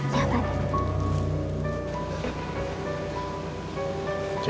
pak siap adek